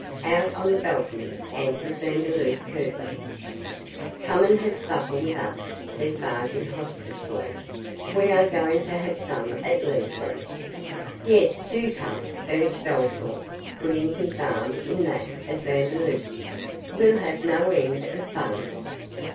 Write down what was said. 'Out on the balcony,' answered Vandeloup, curtly. 'Come and have supper with us,' said Barty, hospitably. 'We are going to have some at Leslie's.' 'Yes, do come,' urged Bellthorp, putting his arm in that of Vandeloup's; 'we'll have no end of fun.